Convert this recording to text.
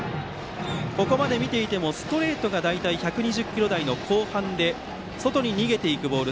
ここまで見ていてもストレートが大体１２０キロ台の後半で外に逃げていくボール。